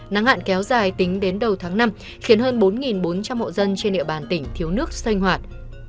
nắng hạn kéo dài tính đến đầu tháng năm khiến hơn bốn bốn trăm linh hộ dân trên địa bàn tỉnh thiếu nước sinh hoạt